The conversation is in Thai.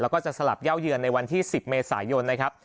แล้วก็จะสลับเย่าเยือนในวันที่๑๐เมษายนนะครับ